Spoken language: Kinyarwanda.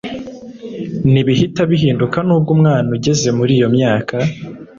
ntibihita bihinduka Nubwo umwana ugeze muri iyo myaka